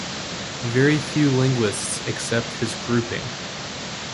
Very few linguists accept his grouping.